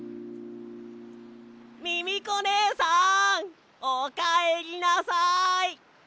ミミコねえさんおかえりなさい！